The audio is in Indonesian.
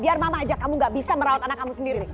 biar mama aja kamu gak bisa merawat anak kamu sendiri